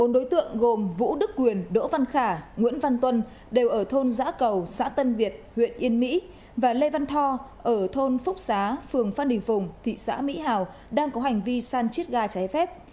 bốn đối tượng gồm vũ đức quyền đỗ văn khả nguyễn văn tuân đều ở thôn giã cầu xã tân việt huyện yên mỹ và lê văn tho ở thôn phúc xá phường phan đình phùng thị xã mỹ hào đang có hành vi san chiết ga trái phép